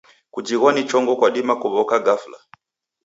Kujighwa ni chongo kwadima kuw'oka gafla.